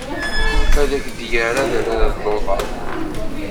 Ad ak-d-yerr adrar d luḍa.